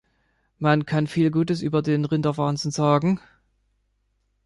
Man kann viel Gutes über den Rinderwahnsinn sagen.